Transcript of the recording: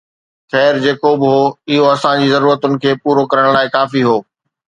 خير، جيڪو به هو، اهو اسان جي ضرورتن کي پورو ڪرڻ لاء ڪافي هو